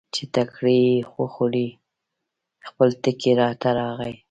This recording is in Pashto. چې ټکرې یې وخوړلې، خپل ټکي ته راغی.